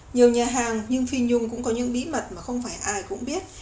nhiều nhà hàng nhưng phi nhung cũng có những bí mật mà không phải ai cũng biết